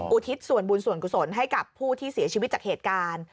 อุทิศส่วนบุญส่วนกุศลให้กับผู้ที่เสียชีวิตจากเหตุการณ์